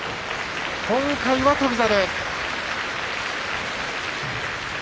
今回は翔猿。